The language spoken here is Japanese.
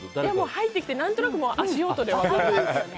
入ってきて、何となく足音で分かりますよね。